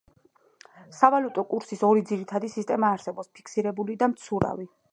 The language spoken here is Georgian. სავალუტო კურსის ორი ძირითადი სისტემა არსებობს, ფიქსირებული და მცურავი.